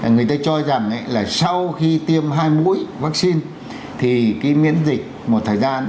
người ta cho rằng là sau khi tiêm hai mũi vaccine thì cái miễn dịch một thời gian